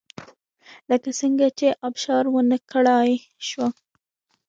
لکه څنګه چې ابشار ونه کړای شوه